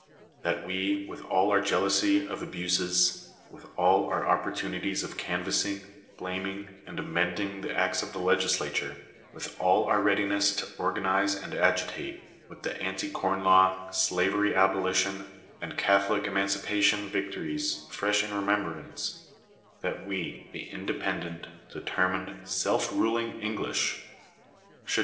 That we, with all our jealousy of abuses ; with all our opportunities of canvassing, blaming, and amending the acts of the legislature; with all our readiness to organize and agitate; with the Anti Corn Law, Slavery Abolition, and Catholic Emancipation victories fresh in remembrance; that we, the independent, determined, self ruling English, should s Digitized by VjOOQIC 258 THE DUTY OF THE 8TATE.